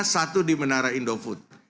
satu di menara indofood